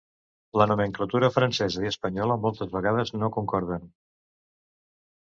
La nomenclatura francesa i espanyola, moltes vegades, no concorden.